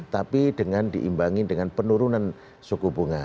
tapi dengan diimbangi dengan penurunan suku bunga